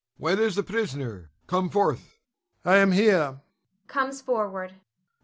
Where is the prisoner? Come forth! Ion. I am here [comes forward].